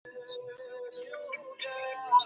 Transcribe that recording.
তিনি বেশিরভাগ সময় অনুপস্থিত ছিলেন।